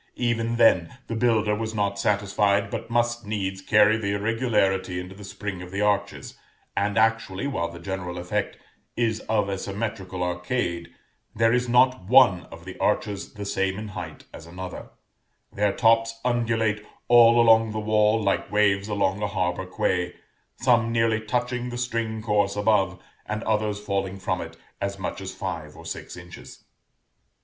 Even then, the builder was not satisfied, but must needs carry the irregularity into the spring of the arches, and actually, while the general effect is of a symmetrical arcade, there is not one of the arches the same in height as another; their tops undulate all along the wall like waves along a harbor quay, some nearly touching the string course above, and others falling from it as much as five or six inches.